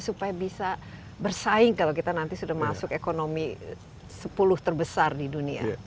supaya bisa bersaing kalau kita nanti sudah masuk ekonomi sepuluh terbesar di dunia